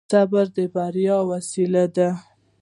صبر د بري وسيله ده.